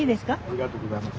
ありがとうございます。